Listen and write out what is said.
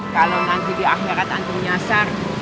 kalau nanti di akhirat antum nyasar